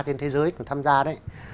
trên thế giới mà tham gia đấy